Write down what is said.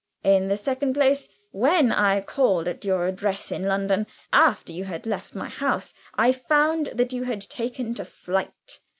In the second place, when I called at your address in London, after you had left my house, I found that you had taken to flight.